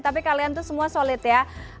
tapi kalian tuh semua solid ya